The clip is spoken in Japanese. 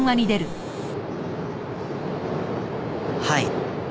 はい。